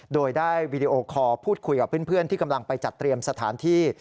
โดยได้วีดีโอคอลพูดคุยกับเพื่อนที่กำลังไปจัดเตรียมสถานที่